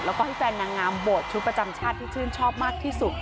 แล้วก็ให้แฟนนางงามโบสถ์ชุดประจำชาติที่ชื่นชอบมากที่สุด